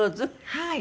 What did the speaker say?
はい。